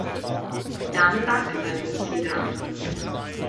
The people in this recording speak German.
Damen-Basketball-Bundesliga an.